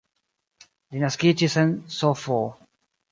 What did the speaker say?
Li naskiĝis en Sf.